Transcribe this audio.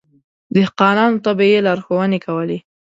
دهقانانو ته به يې لارښونې کولې.